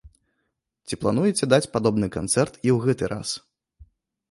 Ці плануеце даць падобны канцэрт і ў гэты раз?